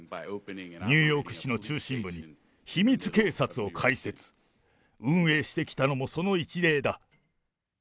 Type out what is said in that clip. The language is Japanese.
ニューヨーク市の中心部に、秘密警察を開設・運営してきたのもその一例だ。